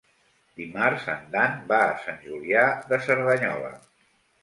Dimarts en Dan va a Sant Julià de Cerdanyola.